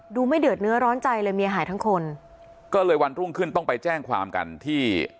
ไม่เดือดเนื้อร้อนใจเลยเมียหายทั้งคนก็เลยวันรุ่งขึ้นต้องไปแจ้งความกันที่